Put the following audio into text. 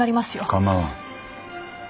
構わん。